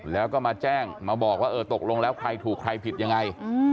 แล้วก็มาแจ้งมาบอกว่าเออตกลงแล้วใครถูกใครผิดยังไง